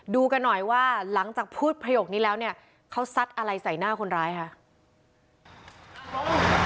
ดูกันหน่อยว่าหลังจากพูดประโยคนี้แล้วเนี่ยเขาซัดอะไรใส่หน้าคนร้ายค่ะ